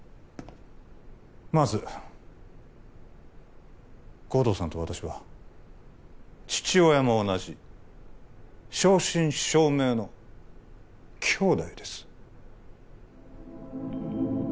まず護道さんと私は父親も同じ正真正銘の兄弟です